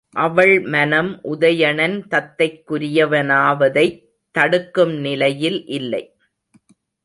அவள் மனம் உதயணன் தத்தைக்குரியவனாவதைத் தடுக்கும் நிலையில் இல்லை.